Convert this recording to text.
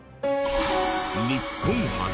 日本初！